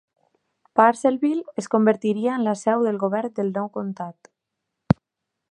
Purcellville es convertiria en la seu del govern del nou comtat.